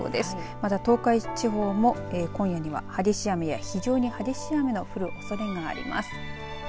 また、東海地方も今夜には激しい雨や非常に激しい雨の降るおそれがあります。